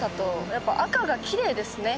やっぱ赤がきれいですね。